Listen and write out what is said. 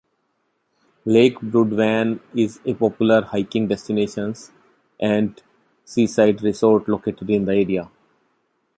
Lake Burudvann is a popular hiking destinations and seaside resort located in the area.